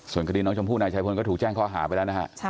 ส่วนคดีน้องชมพู่นายชายพลก็ถูกแจ้งข้อหาไปแล้วนะฮะ